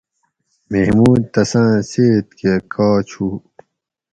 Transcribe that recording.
محمود تسان سیٔت کہۤ کاچ ہوُ